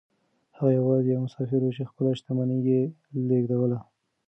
هغه يوازې يو مسافر و چې خپله شتمني يې لېږدوله.